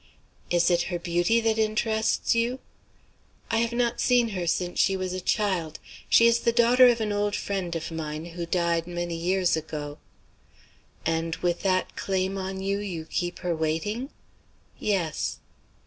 "Is it her beauty that interests you?" "I have not seen her since she was a child. She is the daughter of an old friend of mine, who died many years ago." "And with that claim on you, you keep her waiting?" "Yes."